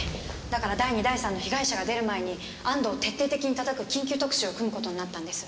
だから第二第三の被害者が出る前に安藤を徹底的に叩く緊急特集を組む事になったんです。